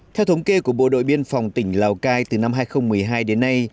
theo thống kê của bộ đội biên phòng tỉnh lào cai từ năm hai nghìn một mươi hai đến nay